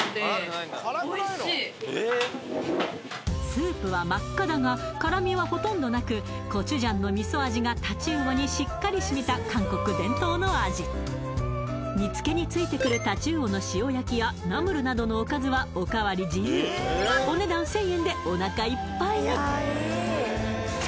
スープは真っ赤だが辛味はほとんどなくコチュジャンの味噌味がタチウオにしっかりしみた韓国伝統の味煮付けについてくるタチウオの塩焼きやナムルなどのおかずはおかわり自由お値段１０００円でおなかいっぱいに！